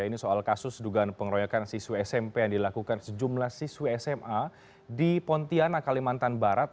ini soal kasus dugaan pengeroyokan siswa smp yang dilakukan sejumlah siswi sma di pontianak kalimantan barat